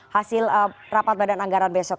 hasil rapat badan anggaran besok